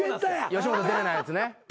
吉本出れないやつね。